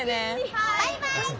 バイバイ。